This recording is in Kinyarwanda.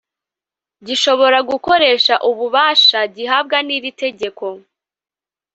gishobora gukoresha ububasha gihabwa n ‘iri tegeko.